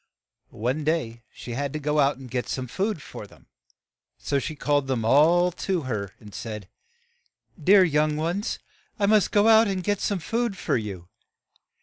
One day she had to go out to get some food for them, so she called them all to her, and said, '' Dear young ones, I must go out and get some food for you.